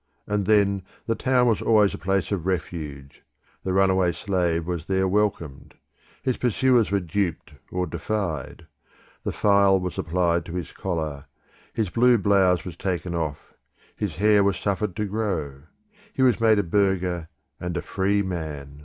And then the Town was always a place of refuge: the runaway slave was there welcomed; his pursuers were duped or defied; the file was applied to his collar; his blue blouse was taken off; his hair was suffered to grow; he was made a burgher and a free man.